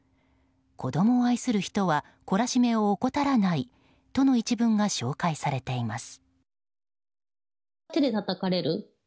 子供を愛する人は懲らしめを怠らないとの一文が紹介されています。